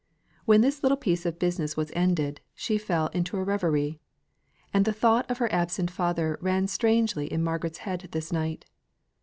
When this little piece of business was ended, she fell into a reverie; and the thought of her absent father ran strangely in Margaret's head that night.